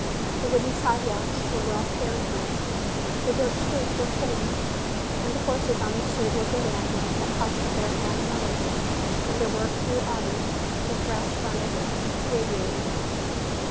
The wooden sidewalks were well cared for, the dirt streets were clean, the horses on the streets were good animals that cost a fair amount of money, and there were a few autos with brass fronted radiators.